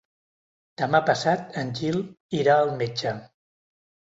Demà passat en Gil irà al metge.